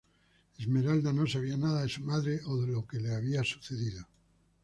Esmeralda no sabía nada de su madre o de lo que le había sucedido.